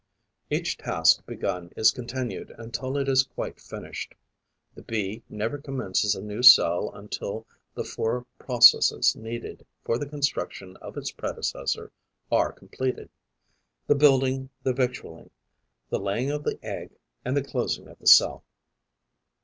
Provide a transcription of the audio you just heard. Each task begun is continued until it is quite finished; the Bee never commences a new cell until the four processes needed for the construction of its predecessor are completed: the building, the victualling, the laying of the egg and the closing of the cell.